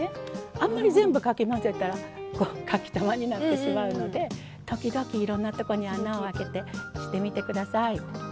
あんまり全部かき混ぜたらかきたまになってしまうので時々、いろんなところに穴をあけて、してみてください。